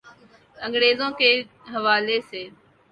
انگریزوں کے حوالے سے۔